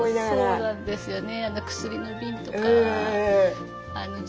そうなんですよね。